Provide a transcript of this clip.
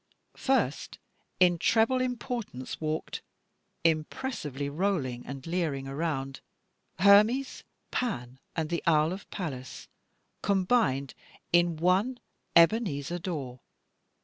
First, in treble importance walked, impressively rolling and leering around, Hermes, Pan, and the owl of Pallas, combined in one Ebenezer Dawe.